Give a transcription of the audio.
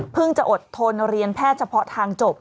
จะอดทนเรียนแพทย์เฉพาะทางจบ